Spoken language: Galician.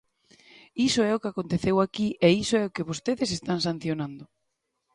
Iso é o que aconteceu aquí e iso é o que vostedes están sancionando.